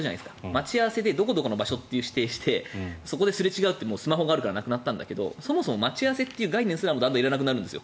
待ち合わせでどこどこの場所を指定してそこですれ違うってスマホがあるからなくなったんだけどそもそも待ち合わせという概念すらだんだんいらなくなるんです。